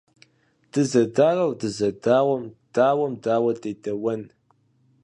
Дызэдарэу дызэдауэм - дауэм дауэ дедэуэн?